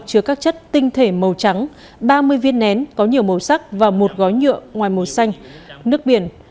chứa các chất tinh thể màu trắng ba mươi viên nén có nhiều màu sắc và một gói nhựa ngoài màu xanh nước biển